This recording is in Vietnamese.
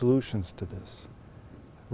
và cộng đồng thế giới